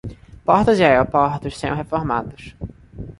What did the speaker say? Portos e aeroportos serão reformados